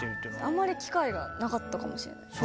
あんまり機会がなかったかもしれないです。